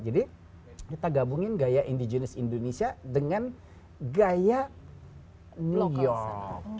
jadi kita gabungin gaya indigenous indonesia dengan gaya new york